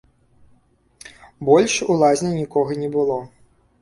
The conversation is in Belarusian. Больш у лазні нікога не было.